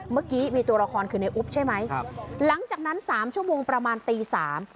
เมื่อกี้มีตัวละครคือในอุ๊บใช่ไหมครับหลังจากนั้นสามชั่วโมงประมาณตีสาม